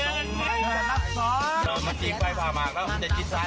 ลงไปลงลงไปลงลงไปลงอย่าตาย